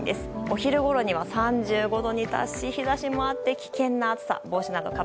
昼ごろには３５度に達し日差しもあって危険な暑さとなりそうです。